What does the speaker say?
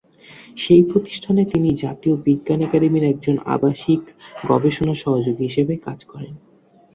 সেই প্রতিষ্ঠানে তিনি জাতীয় বিজ্ঞান একাডেমীর একজন "আবাসিক গবেষণা সহযোগী" হিসেবে কাজ করেন।